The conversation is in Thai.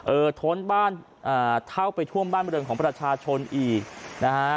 ท้นบ้านอ่าเข้าไปท่วมบ้านบริเวณของประชาชนอีกนะฮะ